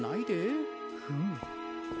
フム。